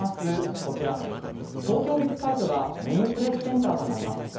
こちら、東京ビッグサイトがメインプレスセンターとなります。